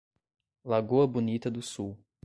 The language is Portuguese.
Lagoa Bonita do Sul